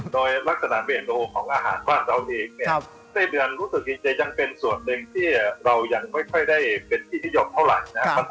โดยลักษณะเบนโดของอาหารบ้านเราเองเนี่ยไส้เดือนรู้สึกดีจะยังเป็นส่วนหนึ่งที่เรายังไม่ค่อยได้เป็นที่นิยมเท่าไหร่นะครับ